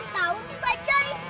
tahu bapak jai